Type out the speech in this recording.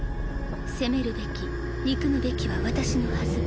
責めるべき憎むべきは私のはず